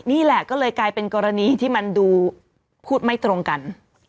นี่แหละก็เลยกลายเป็นกรณีที่มันดูพูดไม่ตรงกัน